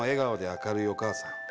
明るいお母さん。